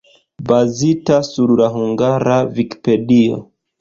Bazita sur la hungara Vikipedio.